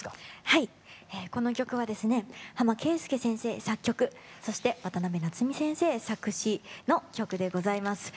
はいこの曲はですね浜圭介先生作曲そして渡辺なつみ先生作詞の曲でございます。